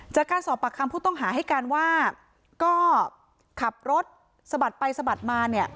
จากการสอบปากคำผู้ต้องหาให้การว่าก็ขับรถสะบัดไปสะบัดมาเนี่ย